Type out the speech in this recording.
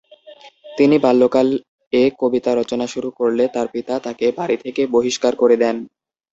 তিনি বাল্যকাল এ কবিতা রচনা শুরু করলে তার পিতা তাকে বাড়ি থেকে বহিষ্কার করে দেন।